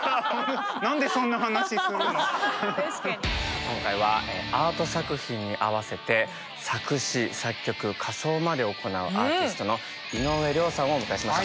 今回はアート作品に合わせて作詞作曲仮装まで行うアーティストの井上涼さんをお迎えしました。